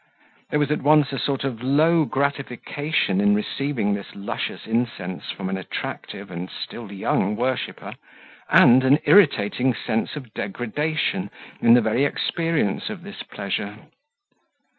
There was at once a sort of low gratification in receiving this luscious incense from an attractive and still young worshipper; and an irritating sense of degradation in the very experience of the pleasure.